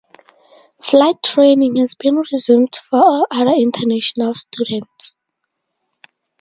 Flight training has been resumed for all other international students.